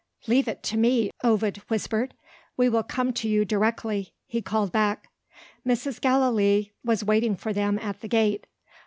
"Leave it to me," Ovid whispered. "We will come to you directly," he called back. Mrs. Gallilee was waiting for them at the gate.